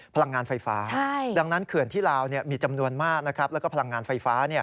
พลังงานไฟฟ้าดังนั้นเขื่อนที่ลาวมีจำนวนมากแล้วก็พลังงานไฟฟ้า